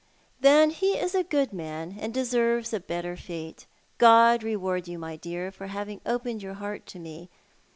" Then he is a good man, and deserves a better fate. God reward you, my dear, for having opened your heart to me.